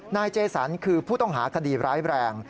นายเจสันคือผู้ต้องหาคดีร้ายแรง